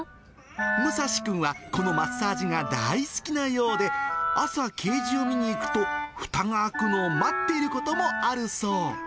むさしくんはこのマッサージが大好きなようで、朝ケージを見に行くと、ふたが開くのを待っていることもあるそう。